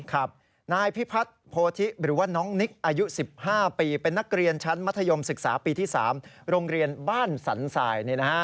ครับนายพิพัฒน์โพธิหรือว่าน้องนิกอายุ๑๕ปีเป็นนักเรียนชั้นมัธยมศึกษาปีที่๓โรงเรียนบ้านสันสาย